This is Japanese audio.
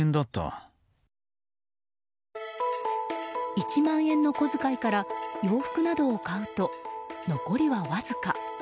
１万円の小遣いから洋服などを買うと、残りはわずか。